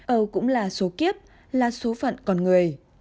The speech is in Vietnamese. ơ cũng là số kiếp là số phận con người